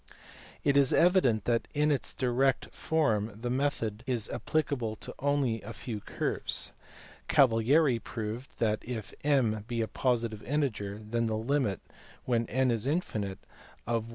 It is evident that in its direct form the method is appli cable to only a few curves. Cavalieri proved that, if m be a positive integer, then the limit, when n is infinite, of